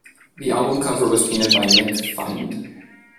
The album cover was painted by Nik Fiend.